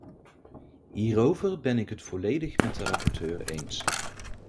Hierover ben ik het volledig met de rapporteur eens.